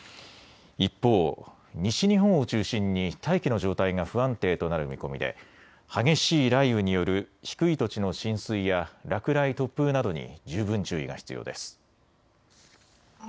一方、西日本を中心に大気の状態が不安定となる見込みで激しい雷雨による低い土地の浸水や落雷、突風などに十分注意が必要です。